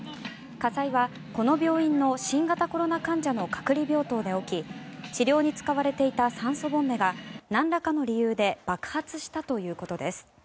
火災は、この病院の新型コロナ患者の隔離病棟で起き治療に使われていた酸素ボンベがなんらかの理由で爆発したということです。